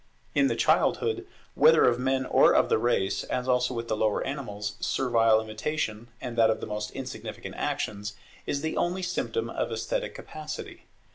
In the childhood, whether of men or of the race, as also with the lower animals, servile imitation, and that of the most insignificant actions, is the only symptom of esthetic capacity.